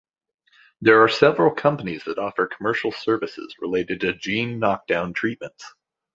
There are several companies that offer commercial services related to gene knockdown treatments.